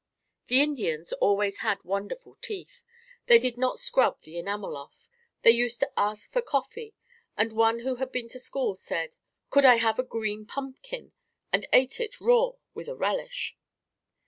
The Indians always had wonderful teeth. They did not scrub the enamel off. They used to ask for coffee and one who had been to school said, "Could I have a green pumpkin?" and ate it raw with a relish.